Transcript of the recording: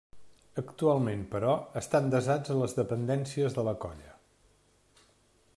Actualment, però, estan desats a les dependències de la colla.